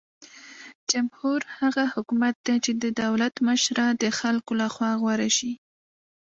جمهور هغه حکومت دی چې د دولت مشره د خلکو لخوا غوره شي.